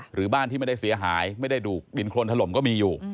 หรือบ้านที่ไม่ได้เสียหายไม่ได้ถูกดินโครนถล่มก็มีอยู่